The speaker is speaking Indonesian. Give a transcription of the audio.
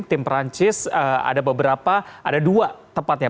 tim perancis ada beberapa ada dua tepatnya